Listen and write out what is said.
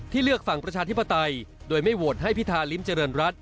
เลือกฝั่งประชาธิปไตยโดยไม่โหวตให้พิธาริมเจริญรัฐ